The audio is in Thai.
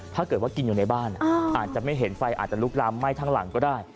ถ้าเกิดว่ากินอยู่ในบ้านอาจจะไม่เห็นไฟอาจจะลุกลามไหม้ทั้งหลังก็ได้